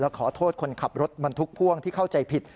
ขอโทษคนขับรถบรรทุกพ่วงที่เข้าใจผิด